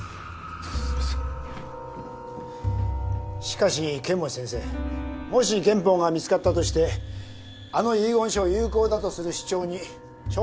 しかし剣持先生もし原本が見つかったとしてあの遺言書を有効だとする主張に勝算はあるんですか？